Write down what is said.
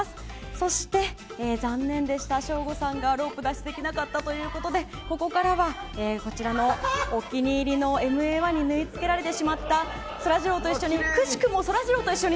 そして、残念でした省吾さんがロープ脱出できなかったということでここからはこちらのお気に入りのＭＡ‐１に縫い付けられてしまったそらジローと一緒に。